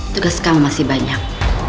tugas kamu masih banyak